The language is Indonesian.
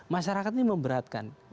masyarakat ini memberatkan